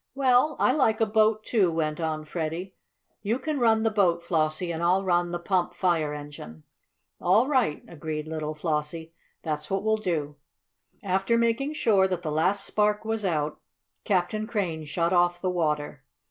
"Well, I like a boat, too," went on Freddie. "You can run the boat, Flossie, and I'll run the pump fire engine." "All right," agreed little Flossie. "That's what we'll do." After making sure that the last spark was out, Captain Crane shut off the water.